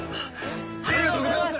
ありがとうございます！